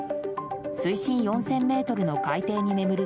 水深４０００ｍの海底に眠る